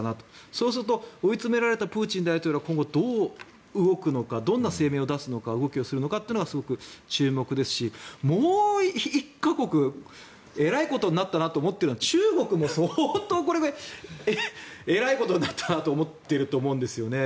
そうすると追い詰められたプーチン大統領は今後、どう動くのかどんな声明を出すのか動きをするのかっていうのはすごく注目ですしもう１か国えらいことになったなと思っているのは中国も相当これでえらいことになったなと思っていると思うんですね。